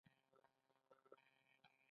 سوالګر ته یو غږ، یو نظر، یو رحم پکار دی